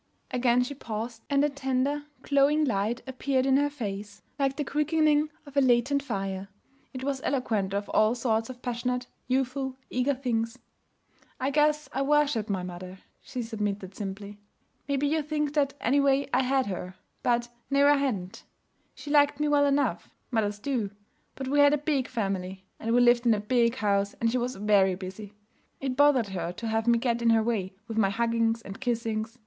Again she paused, and a tender, glowing light appeared in her face, like the quickening of a latent fire. It was eloquent of all sorts of passionate, youthful, eager things. 'I guess I worshiped my mother,' she submitted simply. 'Maybe you think that, anyway, I had her. But, no, I hadn't. She liked me well enough. Mothers do. But we had a big family, and we lived in a big house, and she was very busy. It bothered her to have me get in her way with my huggings and kissings.